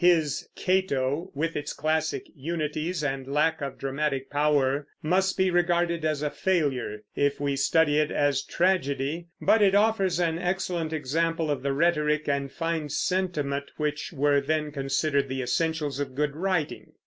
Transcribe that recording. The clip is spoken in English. His Cato, with its classic unities and lack of dramatic power, must be regarded as a failure, if we study it as tragedy; but it offers an excellent example of the rhetoric and fine sentiment which were then considered the essentials of good writing.